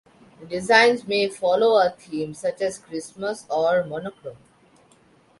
Designs may follow a theme, such as Christmas or monochrome.